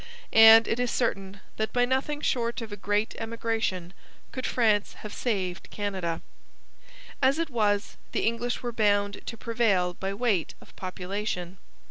And it is certain that by nothing short of a great emigration could France have saved Canada. As it was, the English were bound to prevail by weight of population.